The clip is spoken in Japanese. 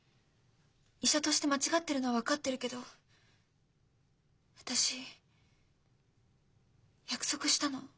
医者として間違ってるのは分かってるけど私約束したの。